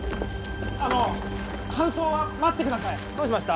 あの搬送は待ってくださいどうしました？